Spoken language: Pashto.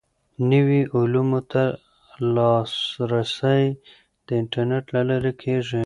نویو علومو ته لاسرسی د انټرنیټ له لارې کیږي.